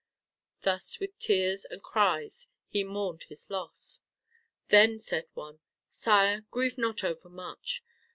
Thus with tears and cries he mourned his loss. Then said one, "Sire, grieve not overmuch.